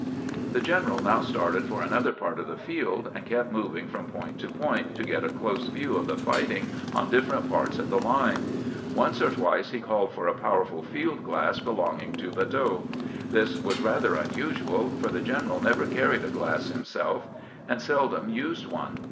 The general now started for another part of the field, and kept moving from point to point to get a close view of the fighting on different parts of the line. Once or twice he called for a powerful field glass belonging to Badeau. This was rather unusual, for the general never carried a glass himself, and seldom used one.